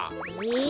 え？